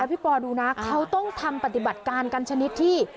พี่ปอดูนะเขาต้องทำปฏิบัติการกันชนิดที่